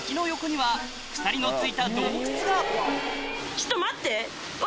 ちょっと待ってうわ！